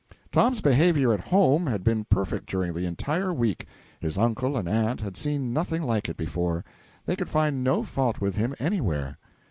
Tom's behavior at home had been perfect during the entire week. His uncle and aunt had seen nothing like it before. They could find no fault with him anywhere.